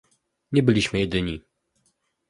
Nie byliśmy jedyni